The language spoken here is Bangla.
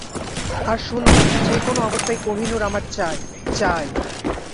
আর শুনো, যে কোন অবস্থাতেই কোহিনূর আমার চাই, চাই!